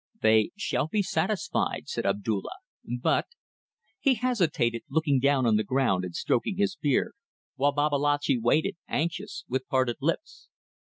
"They shall be satisfied," said Abdulla; "but ..." He hesitated, looking down on the ground and stroking his beard, while Babalatchi waited, anxious, with parted lips.